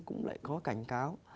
cũng lại có cảnh cáo